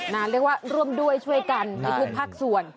เรียกว่าร่วมด้วยช่วยกันในทุกภาคส่วน